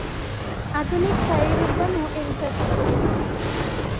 আধুনিক শারীরবিজ্ঞানও এ বিষয়ে সাক্ষ্য দিয়া থাকে।